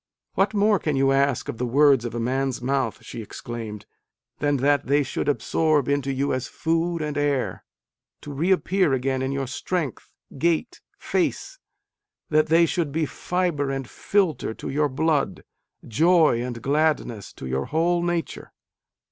" What more can you ask of the words of a man s mouth," she exclaimed, " than that they should absorb into you as food and air, to reappear again in your strength, gait, face that they should be fibre and filter to your blood, joy and gladness to your whole nature?